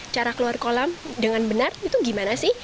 cara keluar kolam dengan benar itu gimana sih